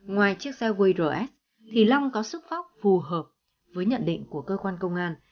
ngoài chiếc xe was thì long có sức phóc phù hợp với nhận định của cơ quan công an